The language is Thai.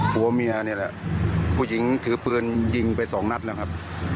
หัวเมียเนี่ยแหละผู้หญิงถือปืนยิงไป๒นัดนะครับ